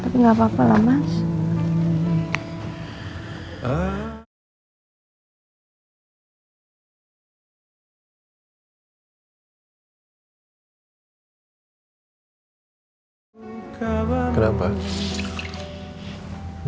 masih ingin menggenggamkan suaramu